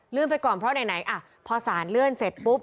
ไปก่อนเพราะไหนอ่ะพอสารเลื่อนเสร็จปุ๊บ